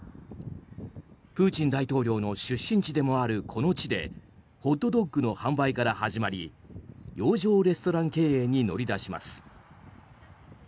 プーチン大統領の出身地でもあるこの地でホットドッグの販売から始まり洋上レストラン経営に乗り出します。